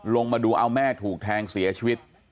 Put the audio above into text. ลงมาดูเอาแม่ถูกแทงเสียชีวิต